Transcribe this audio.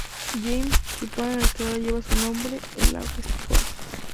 James, situado en el que ahora lleva su nombre, el lago Stuart.